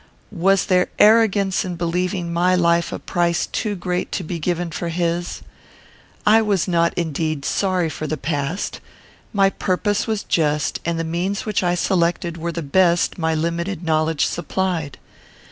Was there arrogance in believing my life a price too great to be given for his? I was not, indeed, sorry for the past. My purpose was just, and the means which I selected were the best my limited knowledge supplied.